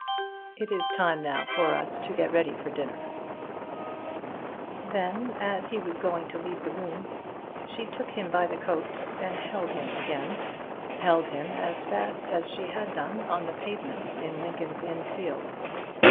It is time now for us to get ready for dinner." Then, as he was going to leave the room, she took him by the coat and held him again, held him as fast as she had done on the pavement in Lincoln's Inn Fields.